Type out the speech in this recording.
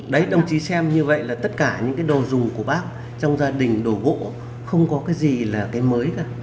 đấy đồng chí xem như vậy là tất cả những cái đồ dùng của bác trong gia đình đồ gỗ không có cái gì là cái mới cả